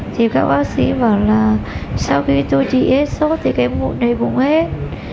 thì các bác sĩ bảo là sau khi tôi chỉ hết suốt thì cái mũi này cũng hết